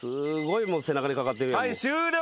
はい終了！